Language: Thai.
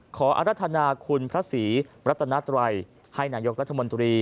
ขออรัฐนาคุณพระศรีพระตณะไตรให้นายกุธหมัลตุรี